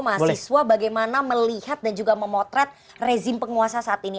mahasiswa bagaimana melihat dan juga memotret rezim penguasa saat ini